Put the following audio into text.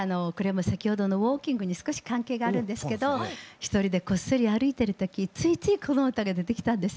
先ほどのウォーキングに少し関係があるんですけど一人でこっそり歩いてる時ついついこの歌が出てきたんです。